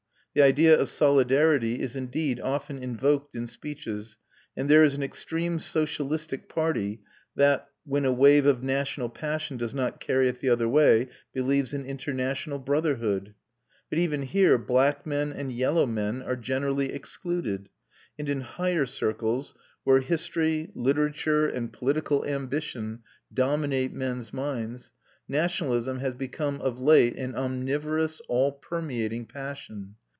The idea of solidarity is indeed often invoked in speeches, and there is an extreme socialistic party that when a wave of national passion does not carry it the other way believes in international brotherhood. But even here, black men and yellow men are generally excluded; and in higher circles, where history, literature, and political ambition dominate men's minds, nationalism has become of late an omnivorous all permeating passion.